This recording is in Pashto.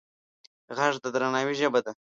غږ د درناوي ژبه ده